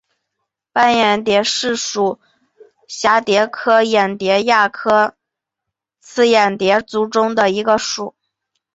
斑眼蝶属是蛱蝶科眼蝶亚科帻眼蝶族中的一个属。